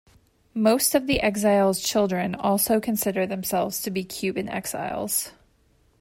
Most of the exiles' children also consider themselves to be Cuban exiles.